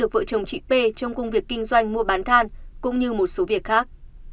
vợ chồng chị p trong công việc kinh doanh mua bán than cũng như một số việc khác